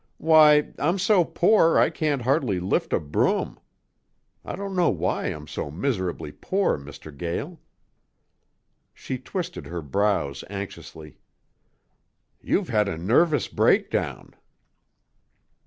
Why, I'm so poor I can't hardly lift a broom. I don't know why I'm so miserably poor, Mr. Gael." She twisted her brows anxiously. "You've had a nervous breakdown."